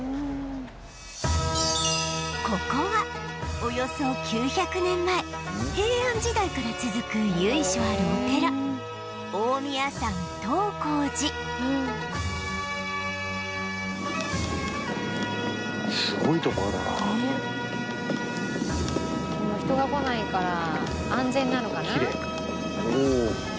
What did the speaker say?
ここはおよそ９００年前平安時代から続く由緒あるお寺大宮山東光寺人が来ないから安全なのかな？